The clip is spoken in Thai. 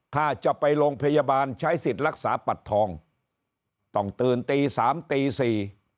ถ้าจะไปโรงพยาบาลใช้สิทธิ์รักษาปัดทองต้องตื่นตีสามตีสี่